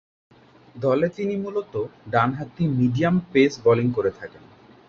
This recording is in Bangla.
দলে তিনি মূলতঃ ডানহাতি মিডিয়াম-পেস বোলিং করে থাকেন।